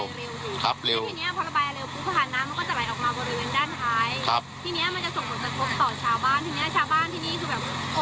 พูดข้างน้ำมันก็จะไหลออกมาบริเวณด้านท้ายครับทีเนี้ยมันจะส่ง